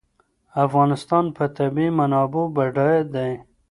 افغانستان په طبیعي منابعو بډای دی.